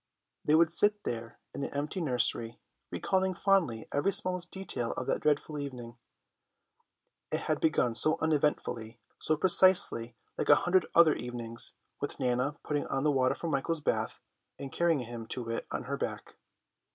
They would sit there in the empty nursery, recalling fondly every smallest detail of that dreadful evening. It had begun so uneventfully, so precisely like a hundred other evenings, with Nana putting on the water for Michael's bath and carrying him to it on her back.